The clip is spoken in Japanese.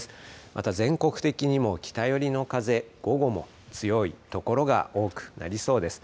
また全国的にも北寄りの風、午後も強い所が多くなりそうです。